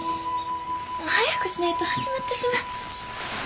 早くしねえと始まってしまう。